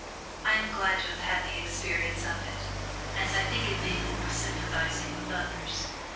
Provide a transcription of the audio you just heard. I am glad to have had the experience of it, as I think it made me more sympathising with others.